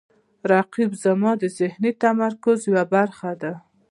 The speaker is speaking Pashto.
رقیب زما د ذهني تمرکز یوه برخه ده